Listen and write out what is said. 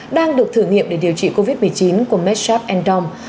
đang được thử nghiệm để điều trị covid một mươi chín của medsharp dom